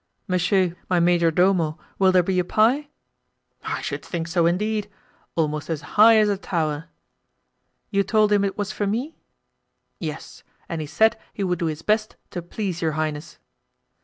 Monsieur, my majordomo, will there be a pie?" "I should think so, indeed—almost as high as a tower." "You told him it was for me?" "Yes, and he said he would do his best to please your highness."